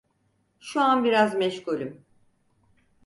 Şu an biraz meşgulüm.